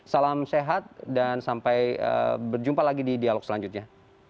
salam sehat dan sampai berjumpa lagi di dialog selanjutnya